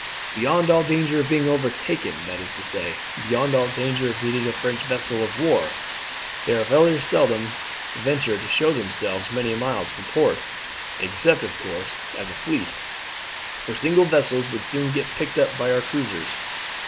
"Beyond all danger of being overtaken that is to say, beyond all danger of meeting a French vessel of war. They very seldom venture to show themselves many miles from port, except, of course, as a fleet; for single vessels would soon get picked up by our cruisers.